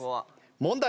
問題。